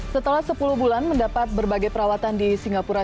setelah sepuluh bulan mendapat berbagai perawatan di singapura